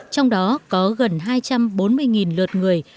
trong đó có gần hai trăm bốn mươi lượt người